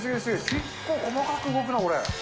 結構細かく動くな、これ。